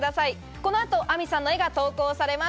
この後、Ａｍｉさんの絵が投稿されます。